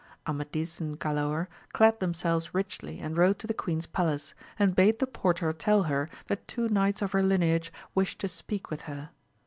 Amadis and Galaor clad themselves richly and rode to the queen's palace, and bade the porter tell her that two knights of her lineage wished to speak with her.